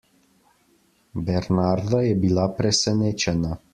Bernarda je bila presenečena.